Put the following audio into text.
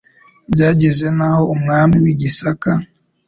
Byageza n'aho umwami w'i Gisaka,